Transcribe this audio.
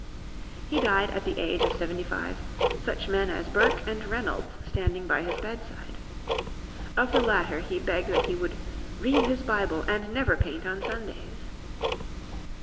He died at the age of seventy five, such men as Burke and Reynolds standing by his bedside. Of the latter, he begged that he would "read his Bible, and never paint on Sundays."